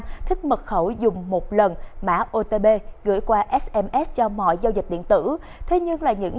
thích mật khẩu dùng một lần mã otp gửi qua sms cho mọi giao dịch điện tử thế nhưng là những